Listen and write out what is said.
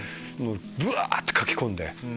ぶわって書き込んで。